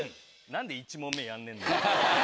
何で１問目やんねえんだよ！